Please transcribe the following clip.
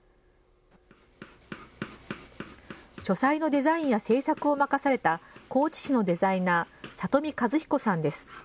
書斎のデザインや制作を任された高知市のデザイナー、里見和彦さんです。